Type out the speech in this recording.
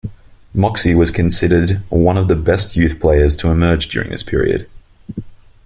Moxey was considered one of the best youth players to emerge during this period.